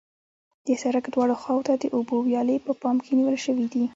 د سرک دواړو خواو ته د اوبو ویالې په پام کې نیول شوې دي